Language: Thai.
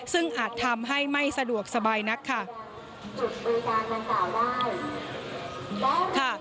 ซึ่งอาจทำให้ไม่สะดวกสบายนักค่ะ